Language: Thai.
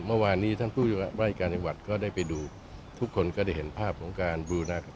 เมื่อวานนี้ท่านผู้ราชการจังหวัดก็ได้ไปดูทุกคนก็ได้เห็นภาพของการบูรณาการ